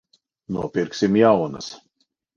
Nopirksim jaunas.